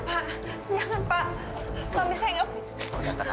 pak jangan pak suami saya nggak bersalah